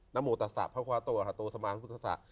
นโมตัสสะพระขวัตโตหัตโตสมาธิพุทธสะ